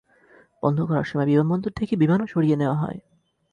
বন্ধ করার সময় বিমানবন্দর থেকে বিমানও সরিয়ে নেওয়া হয়।